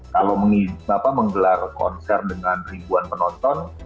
kalau menggelar konser dengan ribuan penonton